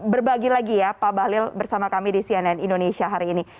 berbagi lagi ya pak bahlil bersama kami di cnn indonesia hari ini